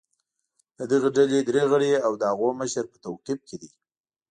د دې ډلې درې غړي او د هغو مشر په توقیف کې دي